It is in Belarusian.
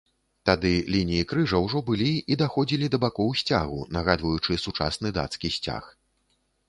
Тады лініі крыжа ўжо былі і даходзілі да бакоў сцягу, нагадваючы сучасны дацкі сцяг.